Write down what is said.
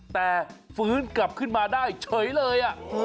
แต่ฟื้นกลับขึ้นมาได้เฉยเลย